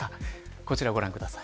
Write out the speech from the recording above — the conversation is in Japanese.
こちらご覧ください。